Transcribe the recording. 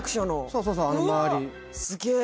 そうそうそうあの周り